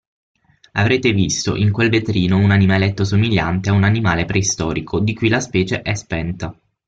Avrete visto in quel vetrino un animaletto somigliante a un animale preistorico di cui la specie è spenta.